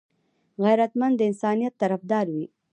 غیرتمند د انسانيت طرفدار وي